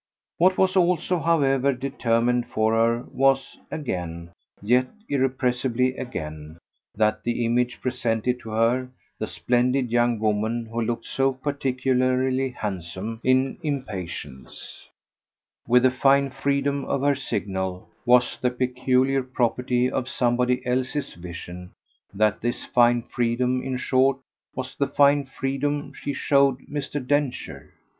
What was also, however, determined for her was, again, yet irrepressibly again, that the image presented to her, the splendid young woman who looked so particularly handsome in impatience, with the fine freedom of her signal, was the peculiar property of somebody else's vision, that this fine freedom in short was the fine freedom she showed Mr. Densher.